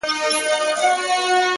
• کیسې پاته د امیر سوې د ظلمونو,